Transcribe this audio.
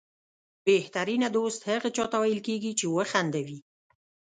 بهترینه دوست هغه چاته ویل کېږي چې وخندوي.